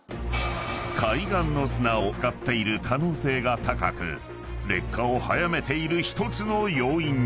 ［海岸の砂を使っている可能性が高く劣化を早めている１つの要因に］